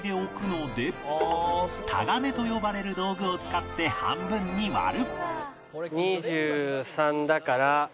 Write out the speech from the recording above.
タガネと呼ばれる道具を使って半分に割る